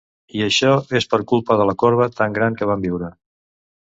I això, és per culpa de la corba tan gran que vam viure.